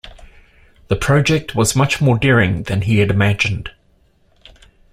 The project was much more daring than he had imagined.